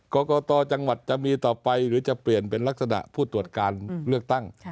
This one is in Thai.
กรกตจังหวัดจะมีต่อไปหรือจะเปลี่ยนเป็นลักษณะผู้ตรวจการเลือกตั้ง